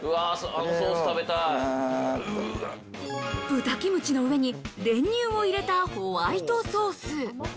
豚キムチの上に練乳を入れたホワイトソース。